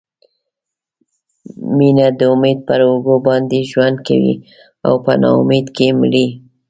مینه د امید پر اوږو باندې ژوند کوي او په نا امیدۍ کې مري.